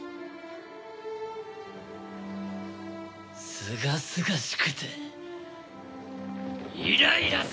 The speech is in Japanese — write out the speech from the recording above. すがすがしくてイライラするぜ！